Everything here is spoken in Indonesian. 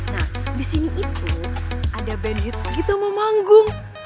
nah di sini itu ada band hits gitu sama manggung